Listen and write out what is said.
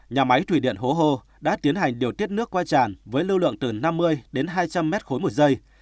nhà máy thủy điện hồ hồ đã tiến hành điều tiết nước qua tràn với lưu lượng từ năm mươi đến hai trăm linh m ba một giây